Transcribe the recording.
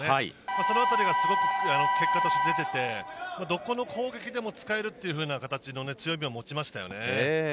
そのあたりが結果として出ていてどこの攻撃でも使えるという形の強みを持ちましたね。